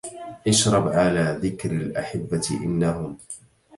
اشرب على ذكر الأحبة إنهم